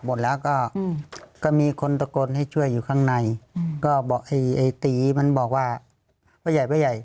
จบแล้วก็มีคนตะโกนให้ช่วยอยู่ข้างในก็บอกไอ้ตีมันบอกว่าหน่อย